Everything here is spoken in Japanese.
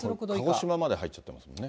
鹿児島まで入っちゃってますもんね。